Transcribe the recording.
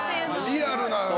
リアルな。